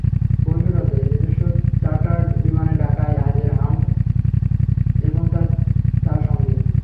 পরশু রাতে নিজস্ব চার্টার্ড বিমানে ঢাকায় হাজির হামাদ এবং তাঁর চার সঙ্গী।